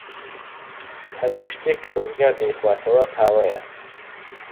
تاکە شتێک کە ڕزگار دەیخواتەوە، قاوەیە.